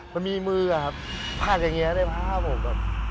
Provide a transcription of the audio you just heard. มันมีมือผ้าแบบนี้เลยผ้าผม